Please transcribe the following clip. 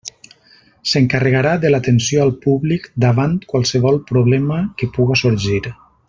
S'encarregarà de l'atenció al públic davant qualsevol problema que puga sorgir.